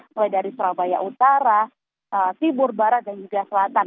mulai dari surabaya utara timur barat dan juga selatan